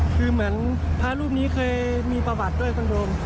คือเหมือนพระรูปนี้เคยมีประวัติด้วยคนโดม